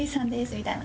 みたいな。